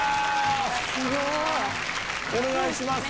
すごい！お願いします。